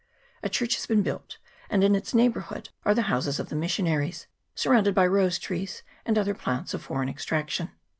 A church has been built, and in its neighbourhood are the houses of the missionaries, surrounded by rose trees, and other plants of foreign extraction.